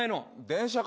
電車から？